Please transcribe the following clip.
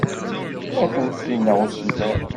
Ad tent-ineɣ usemmiḍ.